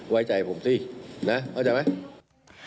ไว้ใจผมสินะเข้าใจไหม